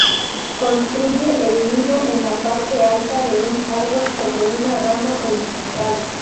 Construye el nido en la parte alta de un árbol sobre una rama horizontal.